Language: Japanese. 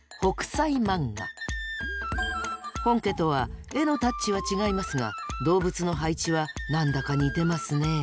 本家とは絵のタッチは違いますが動物の配置は何だか似てますね。